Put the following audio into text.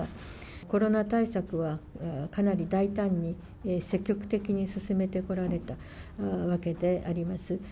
コロナ対策はかなり大胆に、積極的に進めてこられたわけであります。